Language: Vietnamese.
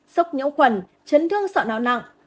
sốc nhiễu khuẩn chấn thương sọ nào nặng